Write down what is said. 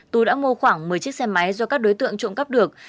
tú đã mua khoảng một mươi chiếc xe máy do các đối tượng trộm cắp được